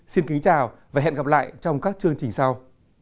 xin kính chào và hẹn gặp lại trong các chương trình sau